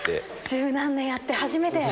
１０何年やって初めて？